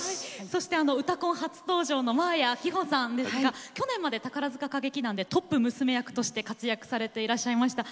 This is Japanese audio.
そして「うたコン」初登場の真彩希帆さんですが去年まで宝塚歌劇団でトップ娘役として活躍されていらっしゃいました。